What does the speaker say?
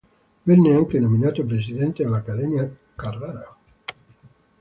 Venne anche nominato presidente dell'Accademia Carrara.